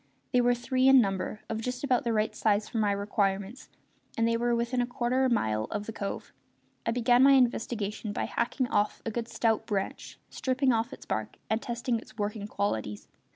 They were three in number, of just about the right size for my requirements, and they were within a quarter of a mile of the cove. I began my investigation by hacking off a good stout branch, stripping off its bark, and testing its working qualities.